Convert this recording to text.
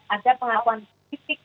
ada pengakuan tipik